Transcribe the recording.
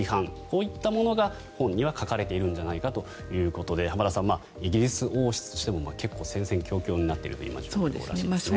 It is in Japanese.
こういったものが本には書かれているんじゃないかということで浜田さん、イギリス王室としても結構、戦々恐々になっているところらしいですね。